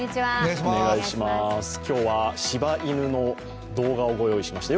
今日は、しば犬の動画をご用意しました。